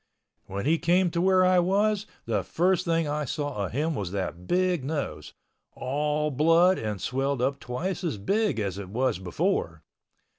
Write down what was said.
When he came to where I was, the first thing I saw of him was that big nose—all blood and swelled up twice as big as it was before.